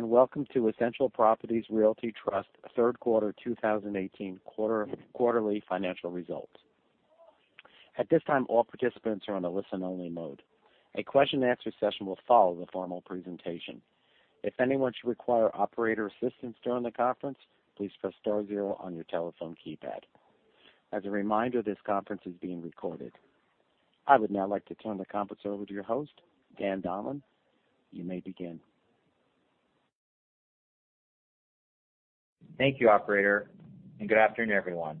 Welcome to Essential Properties Realty Trust third quarter 2018 quarterly financial results. At this time, all participants are on a listen-only mode. A question and answer session will follow the formal presentation. If anyone should require operator assistance during the conference, please press star zero on your telephone keypad. As a reminder, this conference is being recorded. I would now like to turn the conference over to your host, Dan Donlan. You may begin. Thank you, operator, good afternoon, everyone.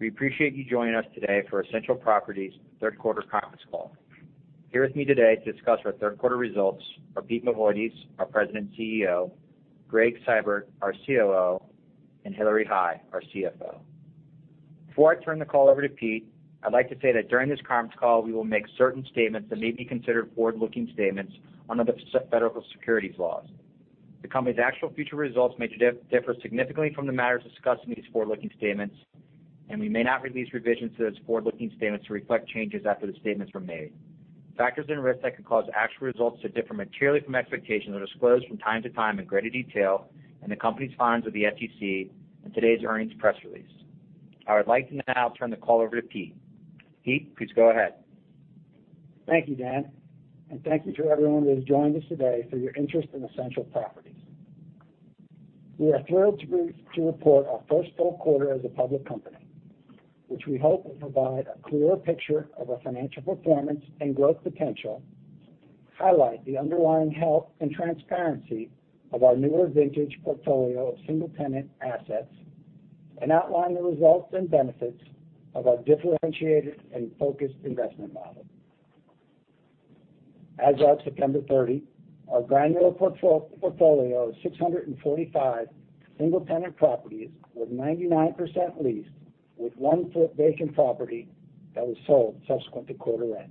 We appreciate you joining us today for Essential Properties' third quarter conference call. Here with me today to discuss our third quarter results are Pete Mavoides, our President and CEO, Gregg Seibert, our COO, and Hillary Hai, our CFO. Before I turn the call over to Pete, I'd like to say that during this conference call, we will make certain statements that may be considered forward-looking statements under the federal securities laws. The company's actual future results may differ significantly from the matters discussed in these forward-looking statements, and we may not release revisions to those forward-looking statements to reflect changes after the statements were made. Factors and risks that could cause actual results to differ materially from expectations are disclosed from time to time in greater detail in the Company's filings with the SEC and today's earnings press release. I would like to now turn the call over to Pete. Pete, please go ahead. Thank you, Dan, thank you to everyone that has joined us today for your interest in Essential Properties. We are thrilled to report our first full quarter as a public company, which we hope will provide a clearer picture of our financial performance and growth potential, highlight the underlying health and transparency of our newer vintage portfolio of single-tenant assets, and outline the results and benefits of our differentiated and focused investment model. As of September 30, our granular portfolio of 645 single-tenant properties was 99% leased, with one fully vacant property that was sold subsequent to quarter end.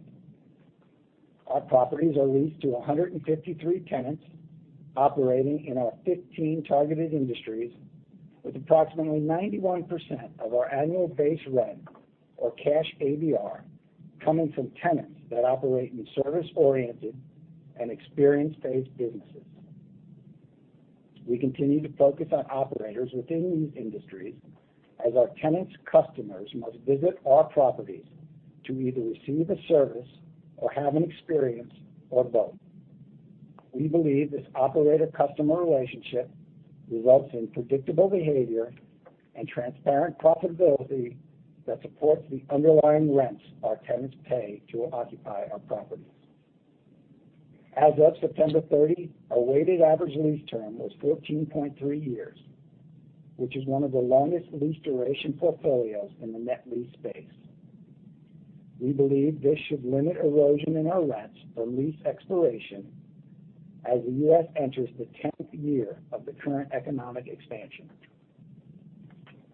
Our properties are leased to 153 tenants operating in our 15 targeted industries, with approximately 91% of our annual base rent or cash ABR coming from tenants that operate in service-oriented and experience-based businesses. We continue to focus on operators within these industries as our tenants' customers must visit our properties to either receive a service or have an experience or both. We believe this operator-customer relationship results in predictable behavior and transparent profitability that supports the underlying rents our tenants pay to occupy our properties. As of September 30, our weighted average lease term was 14.3 years, which is one of the longest lease duration portfolios in the net lease space. We believe this should limit erosion in our rents or lease expiration as the U.S. enters the 10th year of the current economic expansion.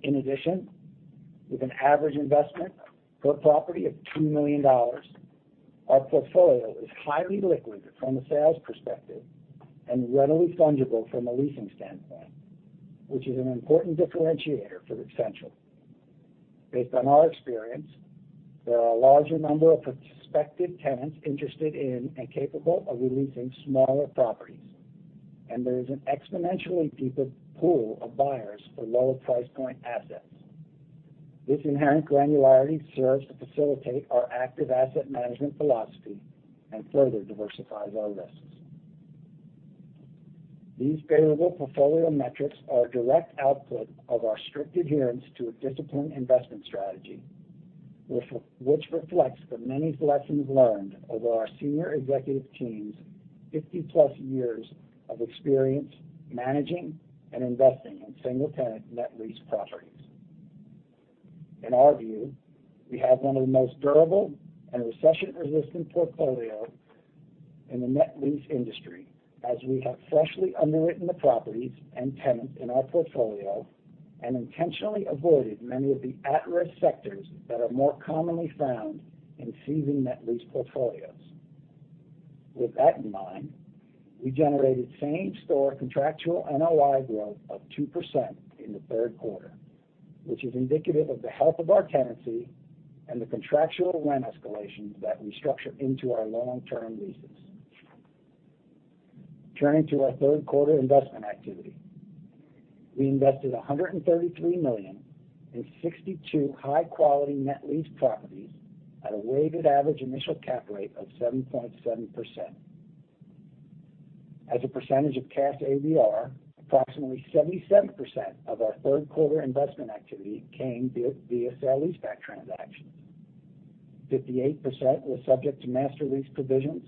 In addition, with an average investment per property of $2 million, our portfolio is highly liquid from a sales perspective and readily fungible from a leasing standpoint, which is an important differentiator for Essential. Based on our experience, there are a larger number of prospective tenants interested in and capable of leasing smaller properties, and there is an exponentially deeper pool of buyers for lower price point assets. This inherent granularity serves to facilitate our active asset management philosophy and further diversifies our risks. These favorable portfolio metrics are a direct output of our strict adherence to a disciplined investment strategy, which reflects the many lessons learned over our senior executive team's 50+ years of experience managing and investing in single-tenant net lease properties. In our view, we have one of the most durable and recession-resistant portfolio in the net lease industry as we have freshly underwritten the properties and tenants in our portfolio and intentionally avoided many of the at-risk sectors that are more commonly found in seasoned net lease portfolios. With that in mind, we generated same-store contractual NOI growth of 2% in the third quarter, which is indicative of the health of our tenancy and the contractual rent escalations that we structure into our long-term leases. Turning to our third quarter investment activity. We invested $133 million in 62 high-quality net lease properties at a weighted average initial cap rate of 7.7%. As a percentage of cash ABR, approximately 77% of our third quarter investment activity came via sale leaseback transactions. 58% were subject to master lease provisions,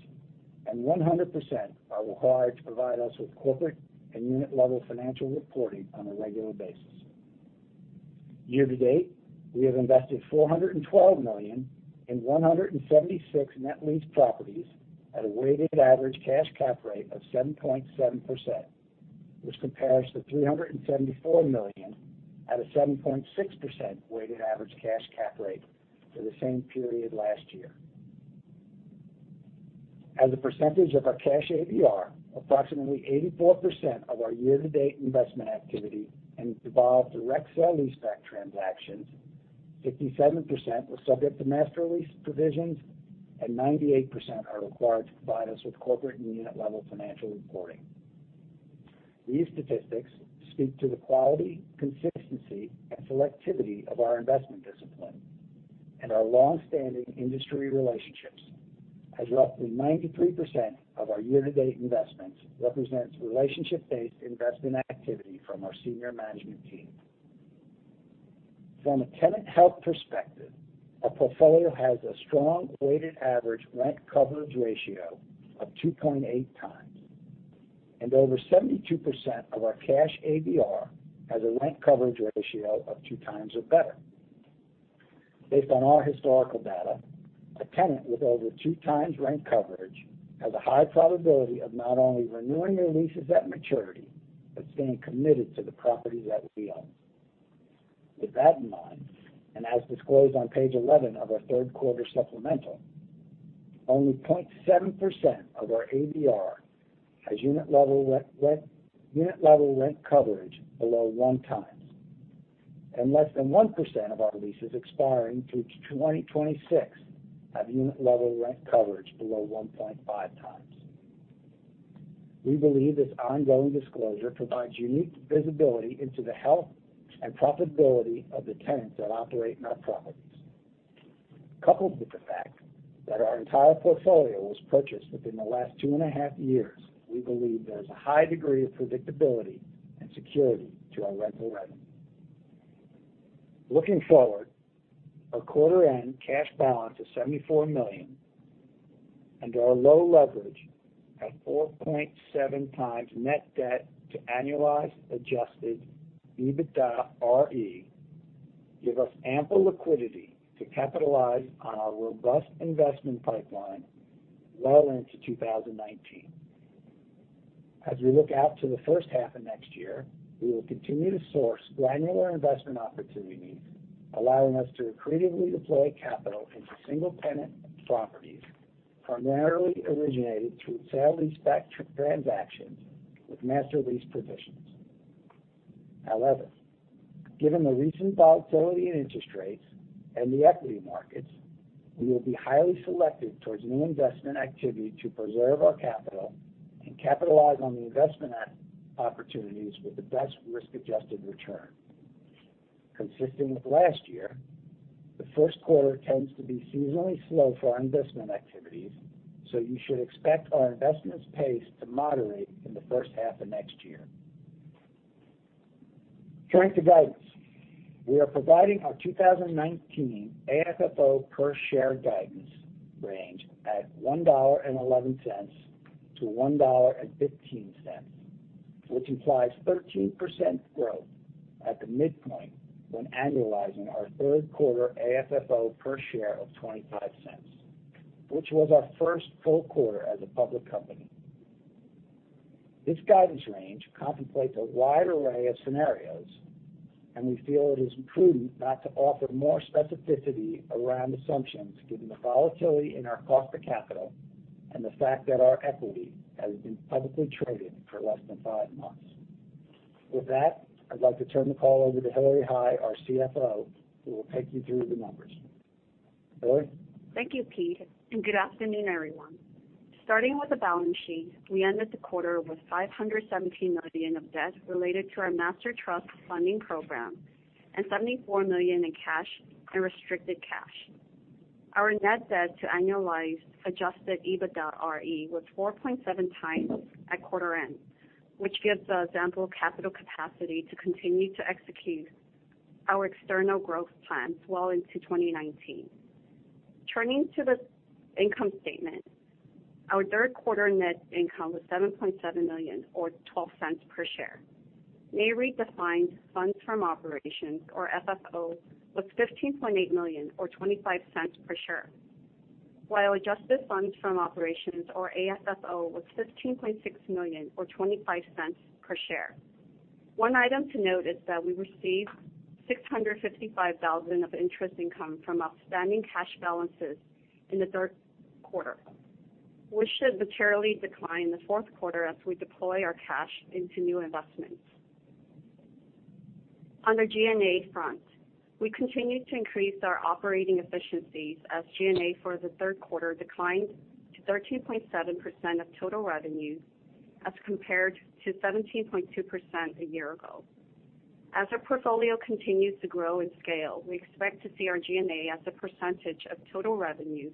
and 100% are required to provide us with corporate and unit-level financial reporting on a regular basis. Year-to-date, we have invested $412 million in 176 net lease properties at a weighted average cash cap rate of 7.7%, which compares to $374 million at a 7.6% weighted average cash cap rate for the same period last year. As a percentage of our cash ABR, approximately 84% of our year-to-date investment activity involved direct sale leaseback transactions. 57% was subject to master lease provisions, and 98% are required to provide us with corporate and unit-level financial reporting. These statistics speak to the quality, consistency, and selectivity of our investment discipline and our longstanding industry relationships, as roughly 93% of our year-to-date investments represents relationship-based investment activity from our senior management team. From a tenant health perspective, our portfolio has a strong weighted average rent coverage ratio of 2.8x, and over 72% of our cash ABR has a rent coverage ratio of 2x or better. Based on our historical data, a tenant with over 2x rent coverage has a high probability of not only renewing their leases at maturity, but staying committed to the property that we own. With that in mind, as disclosed on page 11 of our third quarter supplemental, only 0.7% of our ABR has unit level rent coverage below one times, and less than 1% of our leases expiring through to 2026 have unit level rent coverage below 1.5x. We believe this ongoing disclosure provides unique visibility into the health and profitability of the tenants that operate in our properties. Coupled with the fact that our entire portfolio was purchased within the last two and a half years, we believe there is a high degree of predictability and security to our rental revenue. Looking forward, our quarter end cash balance of $74 million and our low leverage at 4.7x net debt to annualized adjusted EBITDAre give us ample liquidity to capitalize on our robust investment pipeline well into 2019. As we look out to the first half of next year, we will continue to source granular investment opportunities, allowing us to accretively deploy capital into single-tenant properties, primarily originated through sale leaseback transactions with master lease provisions. However, given the recent volatility in interest rates and the equity markets, we will be highly selective towards new investment activity to preserve our capital and capitalize on the investment opportunities with the best risk-adjusted return. Consistent with last year, the first quarter tends to be seasonally slow for our investment activities, so you should expect our investments pace to moderate in the first half of next year. Turning to guidance. We are providing our 2019 AFFO per share guidance range at $1.11-$1.15, which implies 13% growth at the midpoint when annualizing our third quarter AFFO per share of $0.25, which was our first full quarter as a public company. This guidance range contemplates a wide array of scenarios, and we feel it is prudent not to offer more specificity around assumptions, given the volatility in our cost of capital and the fact that our equity has been publicly traded for less than five months. With that, I'd like to turn the call over to Hillary Hai, our CFO, who will take you through the numbers. Hillary? Thank you, Pete, and good afternoon, everyone. Starting with the balance sheet, we ended the quarter with $517 million of debt related to our master trust funding program and $74 million in cash and restricted cash. Our net debt to annualized adjusted EBITDAre was 4.7x at quarter end, which gives us ample capital capacity to continue to execute our external growth plans well into 2019. Turning to the income statement. Our third quarter net income was $7.7 million or $0.12 per share. Nareit-defined funds from operations or FFO was $15.8 million or $0.25 per share, while adjusted funds from operations or AFFO was $15.6 million or $0.25 per share. One item to note is that we received $655,000 of interest income from outstanding cash balances in the third quarter, which should materially decline in the fourth quarter as we deploy our cash into new investments. On the G&A front, we continued to increase our operating efficiencies as G&A for the third quarter declined to 13.7% of total revenue as compared to 17.2% a year ago. As our portfolio continues to grow in scale, we expect to see our G&A as a percentage of total revenue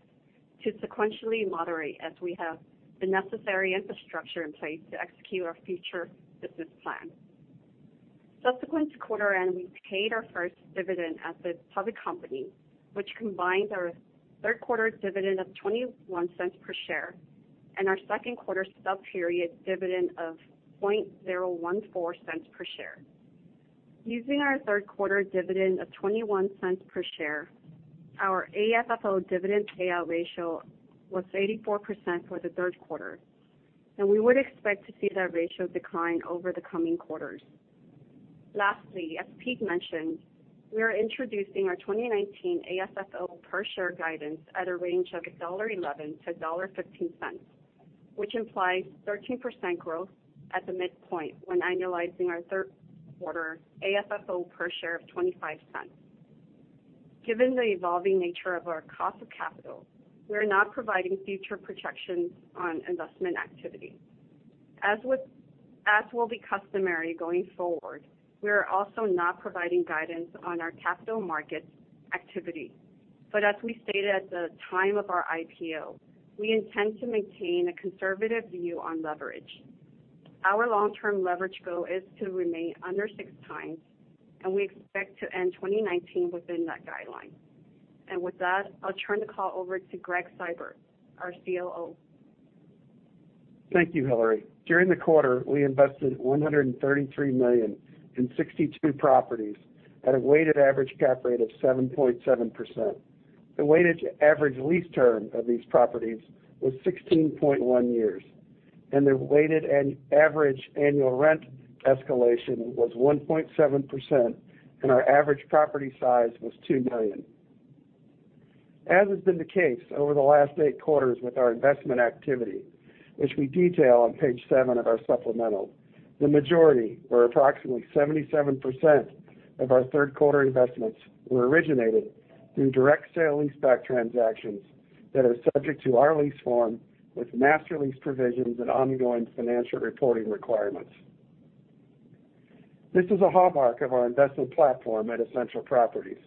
to sequentially moderate as we have the necessary infrastructure in place to execute our future business plan. Subsequent to quarter end, we paid our first dividend as a public company, which combines our third quarter dividend of $0.21 per share and our second quarter sub-period dividend of $0.00014 per share. Using our third quarter dividend of $0.21 per share, our AFFO dividend payout ratio was 84% for the third quarter, and we would expect to see that ratio decline over the coming quarters. Lastly, as Pete mentioned, we are introducing our 2019 AFFO per share guidance at a range of $1.11-$1.15, which implies 13% growth at the midpoint when annualizing our third quarter AFFO per share of $0.25. Given the evolving nature of our cost of capital, we are not providing future projections on investment activity. As will be customary going forward, we are also not providing guidance on our capital markets activity. But as we stated at the time of our IPO, we intend to maintain a conservative view on leverage. Our long-term leverage goal is to remain under 6x, and we expect to end 2019 within that guideline. With that, I'll turn the call over to Gregg Seibert, our COO. Thank you, Hillary. During the quarter, we invested $133 million in 62 properties at a weighted average cap rate of 7.7%. The weighted average lease term of these properties was 16.1 years, and the weighted average annual rent escalation was 1.7%, and our average property size was $2 million. As has been the case over the last eight quarters with our investment activity, which we detail on page seven of our supplemental, the majority, or approximately 77%, of our third quarter investments were originated through direct sale leaseback transactions that are subject to our lease form with master lease provisions and ongoing financial reporting requirements. This is a hallmark of our investment platform at Essential Properties.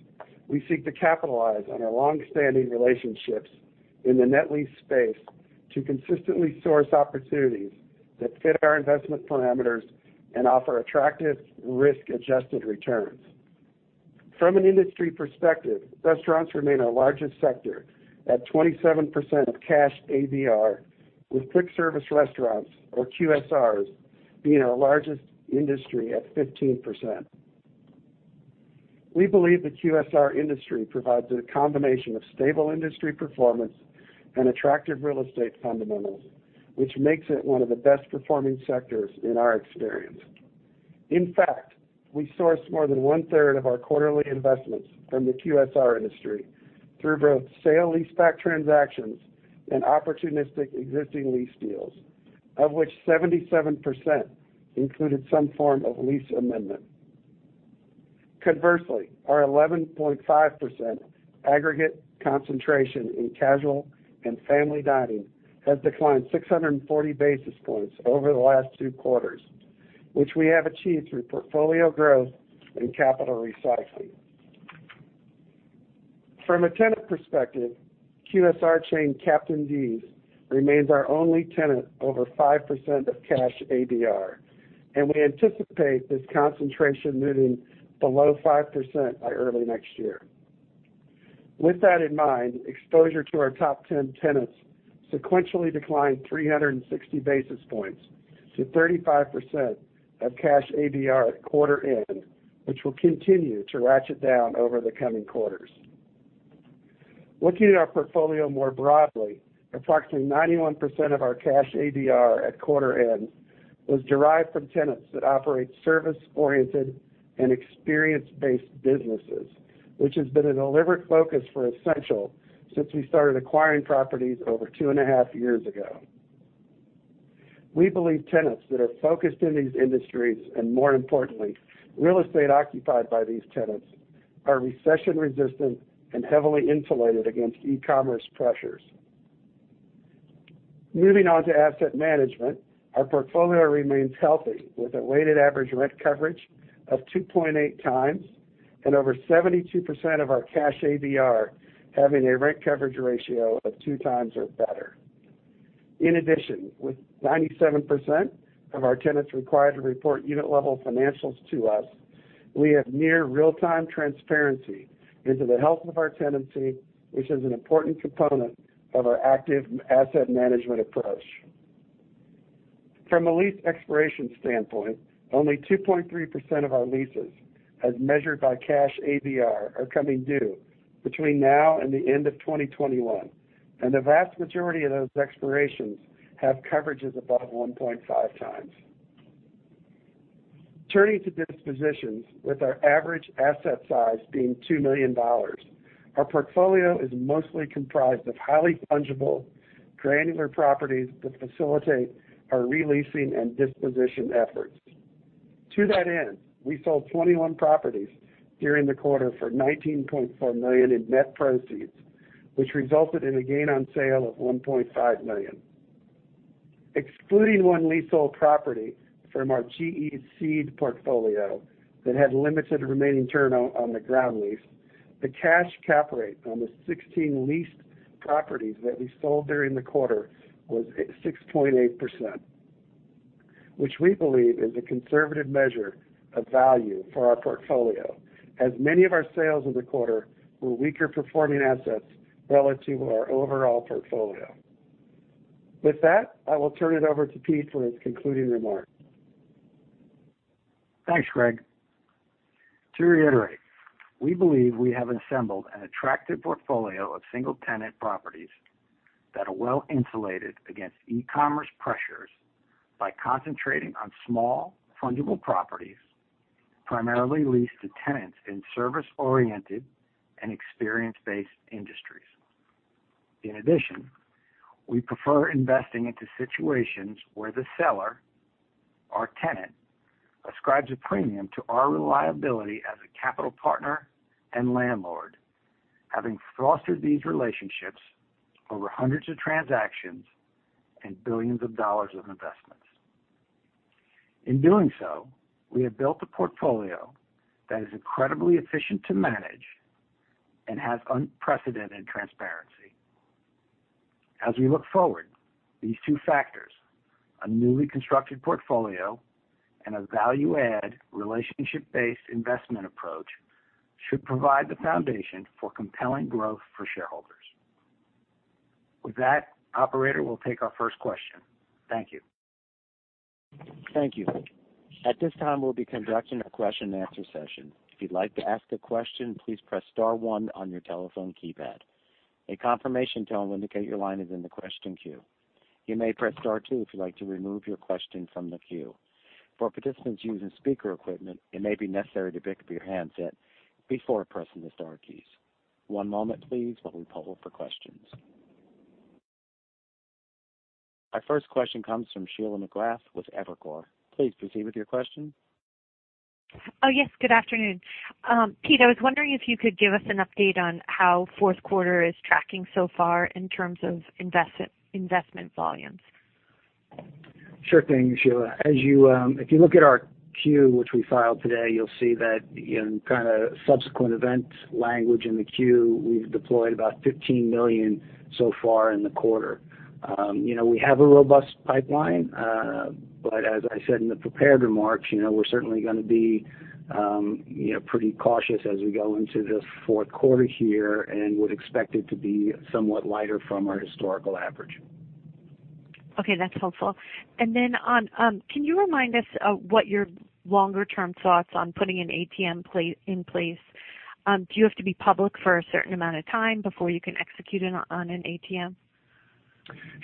We seek to capitalize on our longstanding relationships in the net lease space to consistently source opportunities that fit our investment parameters and offer attractive risk-adjusted returns. From an industry perspective, restaurants remain our largest sector at 27% of cash ABR, with quick service restaurants, or QSRs, being our largest industry at 15%. We believe the QSR industry provides a combination of stable industry performance and attractive real estate fundamentals, which makes it one of the best performing sectors in our experience. In fact, we sourced more than one-third of our quarterly investments from the QSR industry through both sale leaseback transactions and opportunistic existing lease deals, of which 77% included some form of lease amendment. Conversely, our 11.5% aggregate concentration in casual and family dining has declined 640 basis points over the last two quarters, which we have achieved through portfolio growth and capital recycling. From a tenant perspective, QSR chain Captain D's remains our only tenant over 5% of cash ABR, and we anticipate this concentration moving below 5% by early next year. With that in mind, exposure to our top 10 tenants sequentially declined 360 basis points to 35% of cash ABR at quarter end, which will continue to ratchet down over the coming quarters. Looking at our portfolio more broadly, approximately 91% of our cash ABR at quarter end was derived from tenants that operate service-oriented and experience-based businesses, which has been a deliberate focus for Essential since we started acquiring properties over two and a half years ago. We believe tenants that are focused in these industries, and more importantly, real estate occupied by these tenants, are recession resistant and heavily insulated against e-commerce pressures. Moving on to asset management. Our portfolio remains healthy, with a weighted average rent coverage of 2.8x and over 72% of our cash ABR having a rent coverage ratio of 2x or better. With 97% of our tenants required to report unit-level financials to us, we have near real-time transparency into the health of our tenancy, which is an important component of our active asset management approach. From a lease expiration standpoint, only 2.3% of our leases, as measured by cash ABR, are coming due between now and the end of 2021, and the vast majority of those expirations have coverages above 1.5x. With our average asset size being $2 million, our portfolio is mostly comprised of highly fungible, granular properties that facilitate our re-leasing and disposition efforts. We sold 21 properties during the quarter for $19.4 million in net proceeds, which resulted in a gain on sale of $1.5 million. Excluding one leasehold property from our GE seed portfolio that had limited remaining term on the ground lease, the cash cap rate on the 16 leased properties that we sold during the quarter was 6.8%, which we believe is a conservative measure of value for our portfolio, as many of our sales in the quarter were weaker performing assets relative to our overall portfolio. I will turn it over to Pete for his concluding remarks. Thanks, Gregg. We believe we have assembled an attractive portfolio of single-tenant properties that are well insulated against e-commerce pressures By concentrating on small fundable properties, primarily leased to tenants in service-oriented and experience-based industries. In addition, we prefer investing into situations where the seller or tenant ascribes a premium to our reliability as a capital partner and landlord, having fostered these relationships over hundreds of transactions and billions of dollars of investments. In doing so, we have built a portfolio that is incredibly efficient to manage and has unprecedented transparency. As we look forward, these two factors, a newly constructed portfolio and a value-add relationship-based investment approach, should provide the foundation for compelling growth for shareholders. With that, operator, we'll take our first question. Thank you. Thank you. At this time, we'll be conducting a question-and-answer session. If you'd like to ask a question, please press star one on your telephone keypad. A confirmation tone will indicate your line is in the question queue. You may press star two if you'd like to remove your question from the queue. For participants using speaker equipment, it may be necessary to pick up your handset before pressing the star keys. One moment please while we poll for questions. Our first question comes from Sheila McGrath with Evercore. Please proceed with your question. Yes, good afternoon. Pete, I was wondering if you could give us an update on how fourth quarter is tracking so far in terms of investment volumes. Sure thing, Sheila. If you look at our Q, which we filed today, you'll see that in subsequent events language in the Q, we've deployed about $15 million so far in the quarter. We have a robust pipeline. As I said in the prepared remarks, we're certainly going to be pretty cautious as we go into the fourth quarter here and would expect it to be somewhat lighter from our historical average. Okay, that's helpful. Then can you remind us of what your longer-term thoughts on putting an ATM in place? Do you have to be public for a certain amount of time before you can execute on an ATM?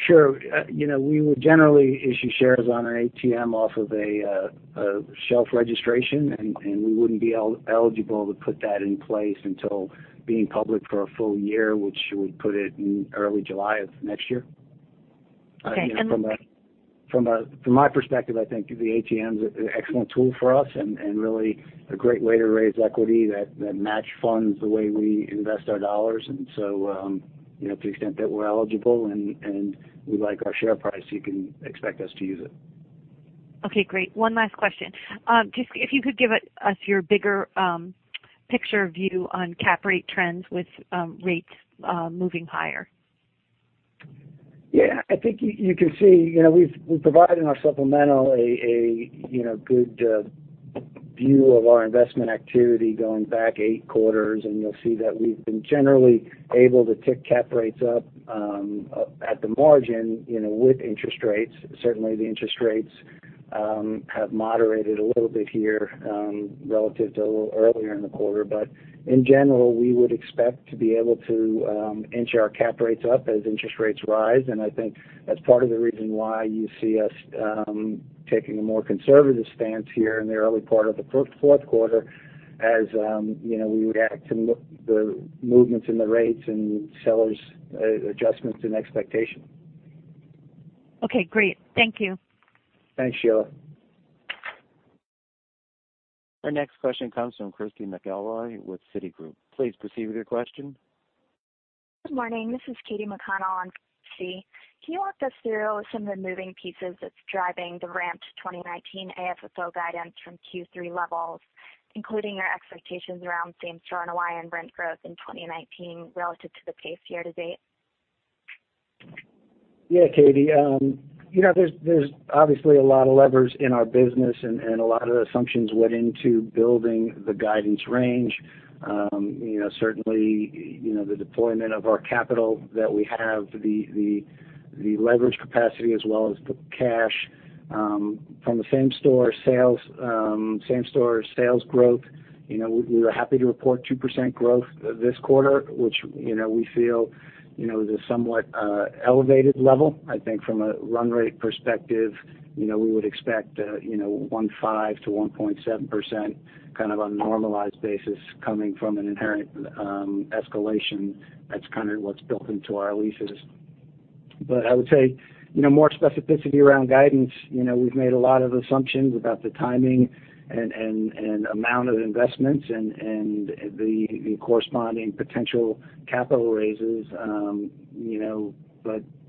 Sure. We would generally issue shares on our ATM off of a shelf registration. We wouldn't be eligible to put that in place until being public for a full year, which would put it in early July of next year. Okay. From my perspective, I think the ATM's an excellent tool for us and really a great way to raise equity that match funds the way we invest our dollars. So, to the extent that we're eligible and we like our share price, you can expect us to use it. Okay, great. One last question. If you could give us your bigger picture view on cap rate trends with rates moving higher. Yeah, I think you can see we've provided in our supplemental a good view of our investment activity going back eight quarters. You'll see that we've been generally able to tick cap rates up at the margin with interest rates. Certainly, the interest rates have moderated a little bit here relative to a little earlier in the quarter. In general, we would expect to be able to inch our cap rates up as interest rates rise. I think that's part of the reason why you see us taking a more conservative stance here in the early part of the fourth quarter as we would act and look at the movements in the rates and sellers' adjustments and expectations. Okay, great. Thank you. Thanks, Sheila. Our next question comes from Christy McElroy with Citigroup. Please proceed with your question. Good morning. This is Katie McConnell on C. Can you walk us through some of the moving pieces that is driving the ramped 2019 AFFO guidance from Q3 levels, including your expectations around same-store NOI and rent growth in 2019 relative to the pace year-to-date? Yeah, Katie. There's obviously a lot of levers in our business. A lot of the assumptions went into building the guidance range. Certainly, the deployment of our capital that we have, the leverage capacity as well as the cash from the same-store sales growth. We were happy to report 2% growth this quarter, which we feel is a somewhat elevated level. I think from a run rate perspective, we would expect 1.5%-1.7% on a normalized basis coming from an inherent escalation. That's kind of what's built into our leases. I would say, more specificity around guidance. We've made a lot of assumptions about the timing and amount of investments and the corresponding potential capital raises.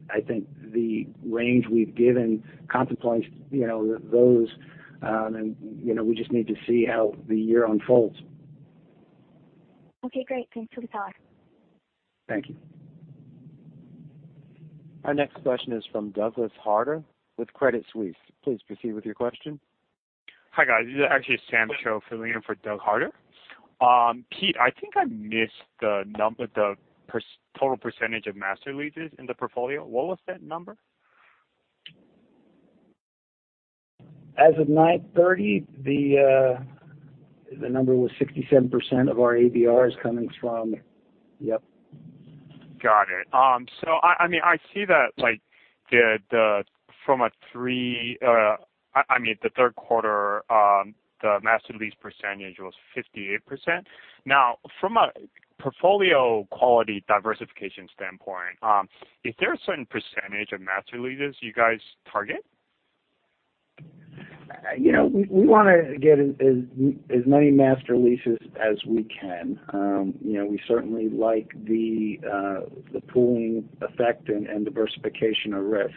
I think the range we've given contemplates those, and we just need to see how the year unfolds. Okay, great. Thanks for the thought. Thank you. Our next question is from Doug Harter with Credit Suisse. Please proceed with your question. Hi, guys. This is actually Sam Choe filling in for Doug Harter. Pete, I think I missed the total percentage of master leases in the portfolio. What was that number? As of 9/30, the number was 67% of our ABR is coming from Yep. Got it. I see that I mean, the third quarter, the master lease percentage was 58%. From a portfolio quality diversification standpoint, is there a certain percentage of master leases you guys target? We want to get as many master leases as we can. We certainly like the pooling effect and diversification of risk.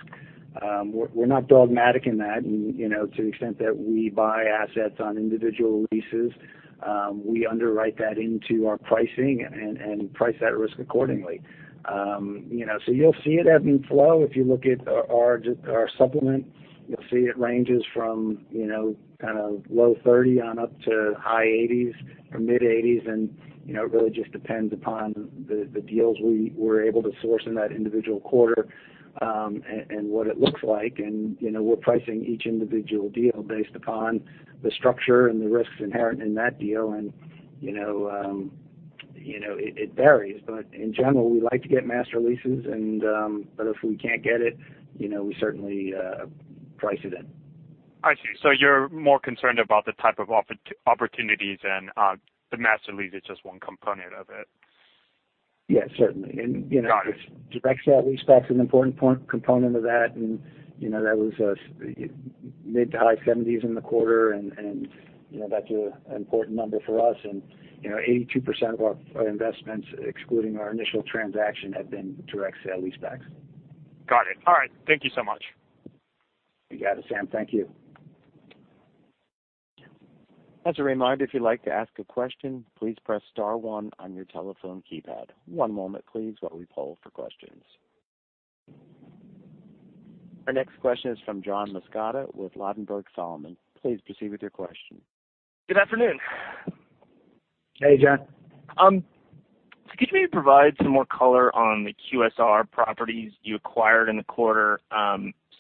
We're not dogmatic in that, to the extent that we buy assets on individual leases. We underwrite that into our pricing and price that risk accordingly. You'll see it ebb and flow. If you look at our supplement, you'll see it ranges from kind of low 30 on up to high 80s or mid-80s, it really just depends upon the deals we were able to source in that individual quarter, and what it looks like. We're pricing each individual deal based upon the structure and the risks inherent in that deal. It varies, but in general, we like to get master leases, but if we can't get it, we certainly price it in. I see. You're more concerned about the type of opportunities, the master lease is just one component of it. Yes, certainly. Got it. Direct sale-leaseback is an important component of that, and that was mid to high 70s in the quarter, and that's an important number for us. 82% of our investments, excluding our initial transaction, have been direct sale-leasebacks. Got it. All right. Thank you so much. You got it, Sam. Thank you. As a reminder, if you'd like to ask a question, please press star one on your telephone keypad. One moment, please, while we poll for questions. Our next question is from John Massocca with Ladenburg Thalmann. Please proceed with your question. Good afternoon. Hey, John. Could you maybe provide some more color on the QSR properties you acquired in the quarter?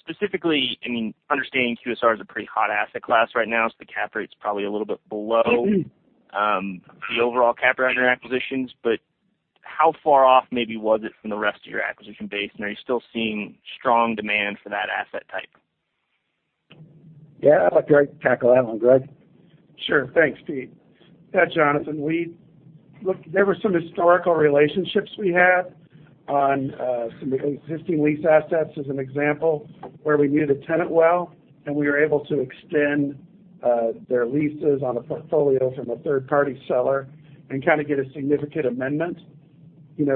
Specifically, understanding QSR is a pretty hot asset class right now, so the cap rate's probably a little bit below- the overall cap rate on your acquisitions. How far off maybe was it from the rest of your acquisition base, and are you still seeing strong demand for that asset type? Yeah, I'd like Gregg to tackle that one. Gregg? Sure. Thanks, Pete. Yeah, Jonathan, there were some historical relationships we had on some of the existing lease assets as an example, where we knew the tenant well, and we were able to extend their leases on a portfolio from a third-party seller and kind of get a significant amendment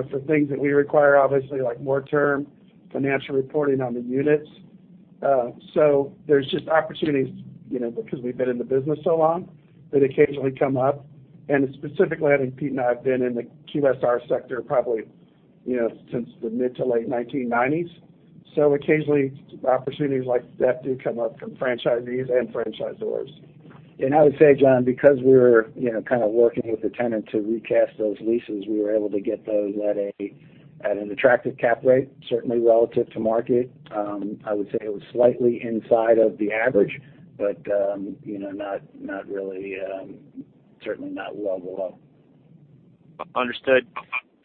for things that we require, obviously, like more term financial reporting on the units. There's just opportunities, because we've been in the business so long, that occasionally come up. Specifically, I think Pete and I have been in the QSR sector probably since the mid to late 1990s. Occasionally, opportunities like that do come up from franchisees and franchisors. I would say, John, because we're kind of working with the tenant to recast those leases, we were able to get those at an attractive cap rate, certainly relative to market. I would say it was slightly inside of the average, but certainly not well below. Understood.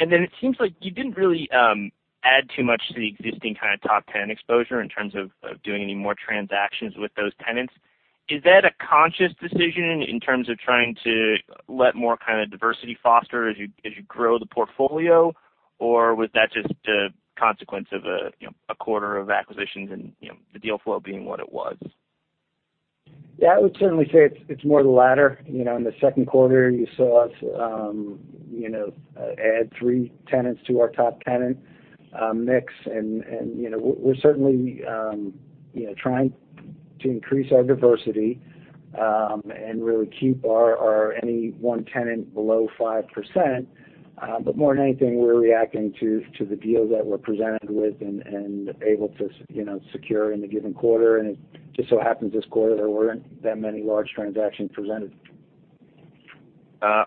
It seems like you didn't really add too much to the existing kind of top 10 exposure in terms of doing any more transactions with those tenants. Is that a conscious decision in terms of trying to let more kind of diversity foster as you grow the portfolio, or was that just a consequence of a quarter of acquisitions and the deal flow being what it was? Yeah, I would certainly say it's more the latter. In the second quarter, you saw us add three tenants to our top tenant mix, we're certainly trying to increase our diversity, and really keep any one tenant below 5%. More than anything, we're reacting to the deals that we're presented with and able to secure in a given quarter. It just so happens this quarter, there weren't that many large transactions presented.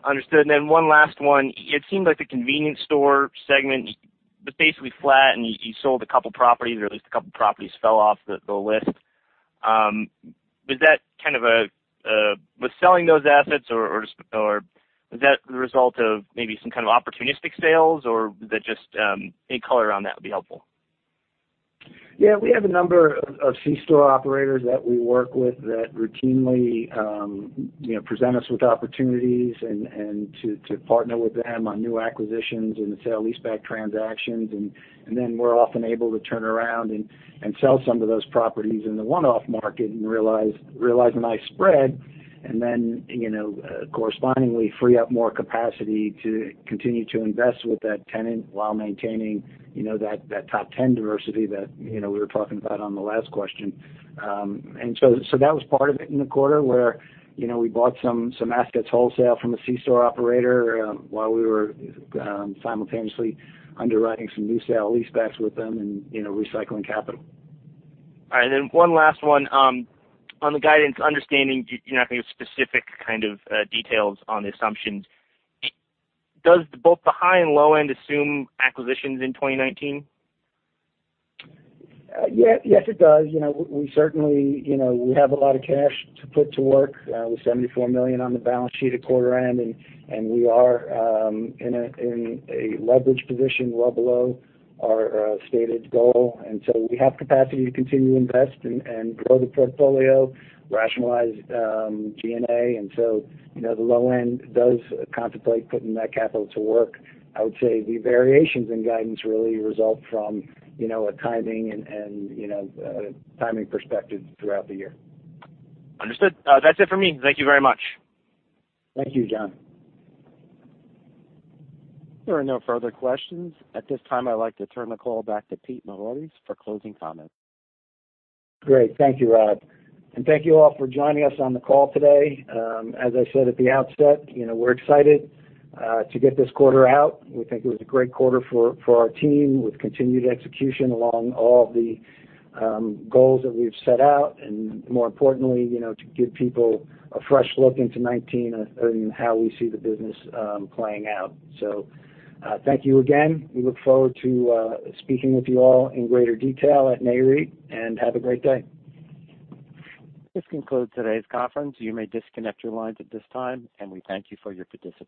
Understood. One last one. It seemed like the convenience store segment was basically flat, and you sold a couple properties, or at least a couple properties fell off the list. Was selling those assets, or was that the result of maybe some kind of opportunistic sales? Any color around that would be helpful. Yeah. We have a number of C-store operators that we work with that routinely present us with opportunities, to partner with them on new acquisitions and the sale-leaseback transactions. We're often able to turn around and sell some of those properties in the one-off market and realize a nice spread. Correspondingly free up more capacity to continue to invest with that tenant while maintaining that top 10 diversity that we were talking about on the last question. That was part of it in the quarter, where we bought some assets wholesale from a C-store operator, while we were simultaneously underwriting some new sale-leasebacks with them and recycling capital. All right. One last one. On the guidance, understanding you're not giving specific kind of details on the assumptions, does both the high and low end assume acquisitions in 2019? Yes, it does. We have a lot of cash to put to work with $74 million on the balance sheet at quarter end. We are in a leverage position well below our stated goal. We have capacity to continue to invest and grow the portfolio, rationalize G&A. The low end does contemplate putting that capital to work. I would say the variations in guidance really result from a timing perspective throughout the year. Understood. That's it for me. Thank you very much. Thank you, John. There are no further questions. At this time, I'd like to turn the call back to Pete Mavoides for closing comments. Great. Thank you, [Rob]. Thank you all for joining us on the call today. As I said at the outset, we're excited to get this quarter out. We think it was a great quarter for our team, with continued execution along all of the goals that we've set out, and more importantly, to give people a fresh look into 2019 in how we see the business playing out. Thank you again. We look forward to speaking with you all in greater detail at Nareit, have a great day. This concludes today's conference. You may disconnect your lines at this time, and we thank you for your participation.